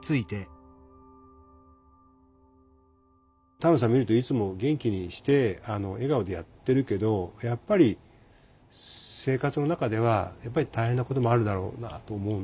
丹野さん見るといつも元気にして笑顔でやってるけどやっぱり生活の中では大変なこともあるだろうなと思うんだけども。